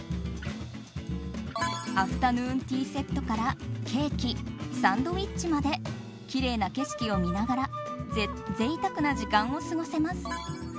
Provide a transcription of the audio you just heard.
アフタヌーンティーセットからケーキ、サンドイッチまできれいな景色を見ながら贅沢な時間を過ごせます。